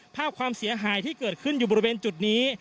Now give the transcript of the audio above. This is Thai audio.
ภาพความเสียหายที่เกิดขึ้นอยู่บริเวณจุดนี้